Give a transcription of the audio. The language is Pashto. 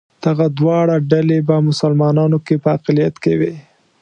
دغه دواړه ډلې په مسلمانانو کې په اقلیت کې وې.